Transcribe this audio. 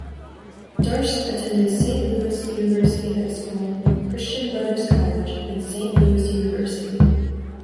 Darst attended Saint Louis University High School, Christian Brothers College, and Saint Louis University.